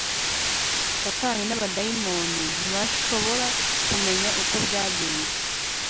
Satani n abadayimoni ntibashobora kumenya uko byagenze